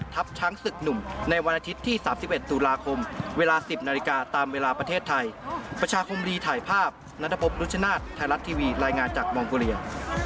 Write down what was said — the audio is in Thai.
ไทยรัฐทีวีรายงานจากมองกุเรีย